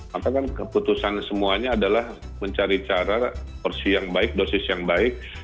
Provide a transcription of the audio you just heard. maka kan keputusan semuanya adalah mencari cara porsi yang baik dosis yang baik